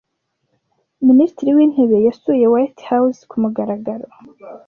Minisitiri w’intebe yasuye White House ku mugaragaro.